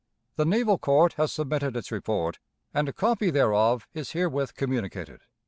The naval court has submitted its report, and a copy thereof is herewith communicated.